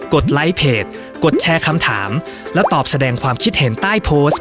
ดไลค์เพจกดแชร์คำถามและตอบแสดงความคิดเห็นใต้โพสต์